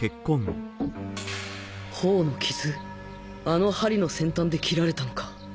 あの針の先端で切られたのか